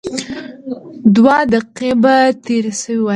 دوه دقيقې به تېرې شوې وای.